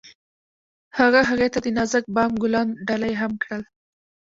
هغه هغې ته د نازک بام ګلان ډالۍ هم کړل.